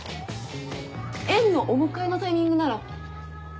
園のお迎えのタイミングなら。